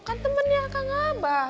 kan temennya akang abah